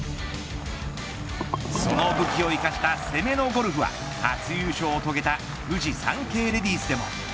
その武器を生かした攻めのゴルフは初優勝を遂げたフジサンケイレディスでも。